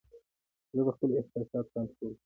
زه د خپلو احساساتو کنټرول کوم.